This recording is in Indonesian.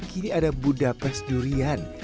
kini ada budapes durian